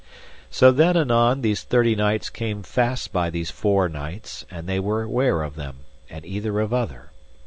So then anon these thirty knights came fast by these four knights, and they were ware of them, and either of other.